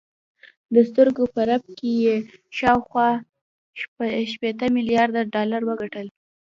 د سترګو په رپ کې یې شاوخوا شپېته میلارده ډالر وګټل